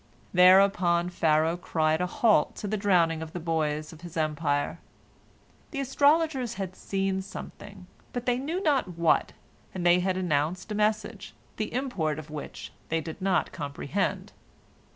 Thereupon Pharaoh cried a halt to the drowning of the boys of his empire. The astrologers had seen something, but they knew not what, and they announced a message, the import of which they did not comprehend.